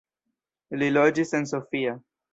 Li loĝis en Sofia.